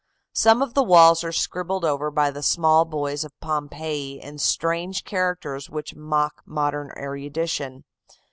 Some of the walls are scribbled over by the small boys of Pompeii in strange characters which mock modern erudition.